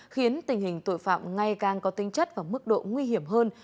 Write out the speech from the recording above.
khiến tình hình tội phạm ngày càng có tinh chất và mức độ nguy hiểm hơn